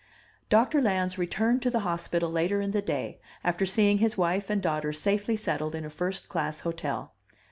DOCTOR LANS RETURNED TO THE hospital later in the day, after seeing his wife and daughter safely settled in a first class hotel.